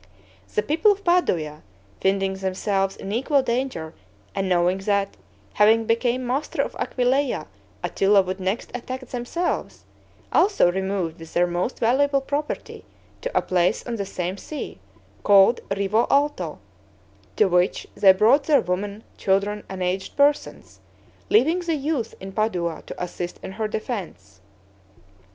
The people of Padua, finding themselves in equal danger, and knowing that, having became master of Aquileia, Attila would next attack themselves, also removed with their most valuable property to a place on the same sea, called Rivo Alto, to which they brought their women, children, and aged persons, leaving the youth in Padua to assist in her defense.